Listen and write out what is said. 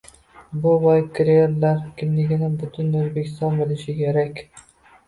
Bu boy kurerlar kimligini butun O'zbekiston bilishi kerak!